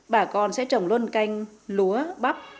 bà con sẽ trồng luôn canh lúa bắp